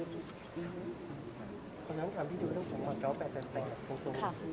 เพราะฉะนั้นถามพี่ดิวเรื่องของหัวเจ้าแปดแต่ตรงขึ้น